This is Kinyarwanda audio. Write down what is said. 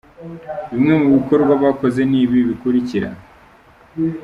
Bimwe mu bikorwa bakoze ni ibi bikurikira :